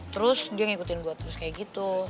terus dia ngikutin buat terus kayak gitu